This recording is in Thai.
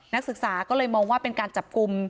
นักศึกษาก็เลยมองว่าเป็นการจับกลุ่ม